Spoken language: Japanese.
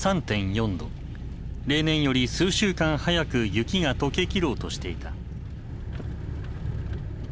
例年より数週間早く雪が解け切ろうとしていた。